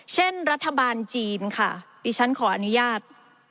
เช่นรัฐบาลจีนค่ะดิฉันขออนุญาต